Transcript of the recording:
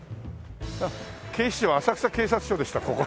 警視庁浅草警察署でしたここ。